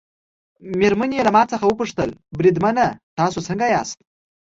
مېرمنې یې له ما څخه وپوښتل: بریدمنه تاسي څنګه یاست؟